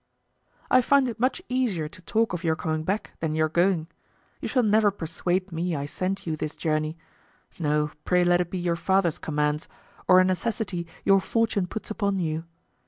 I find it much easier to talk of your coming back than your going. You shall never persuade me I send you this journey. No, pray let it be your father's commands, or a necessity your fortune puts upon you.